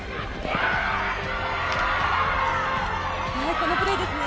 このプレーですね。